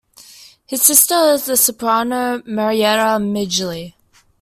His sister is the soprano Maryetta Midgley.